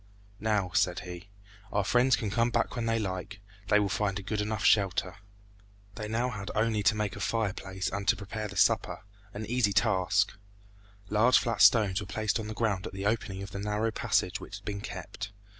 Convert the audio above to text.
"Now," said he, "our friends can come back when they like. They will find a good enough shelter." They now had only to make a fireplace and to prepare the supper an easy task. Large flat stones were placed on the ground at the opening of the narrow passage which had been kept.